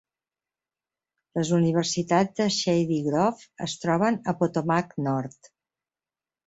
Les universitats de Shady Grove es troben a Potomac Nord.